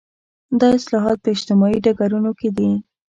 دا اصلاحات په اجتماعي ډګرونو کې دي.